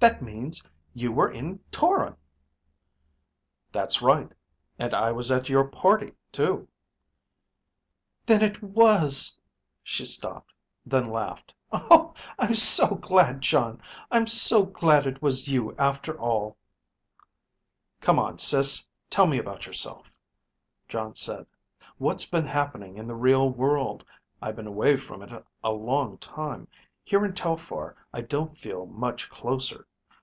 "That means you were in Toron!" "That's right. And I was at your party too." "Then it was ..." She stopped. Then laughed, "I'm so glad, Jon. I'm so glad it was you after all." "Come on, Sis, tell me about yourself," Jon said. "What's been happening in the real world. I've been away from it a long time. Here in Telphar I don't feel much closer.